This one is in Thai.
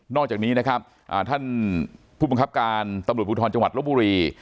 อกจากนี้นะครับท่านผู้บังคับการตำรวจภูทรจังหวัดลบบุรี